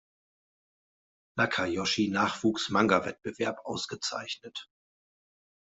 Nakayoshi-Nachwuchs-Mangawettbewerb ausgezeichnet.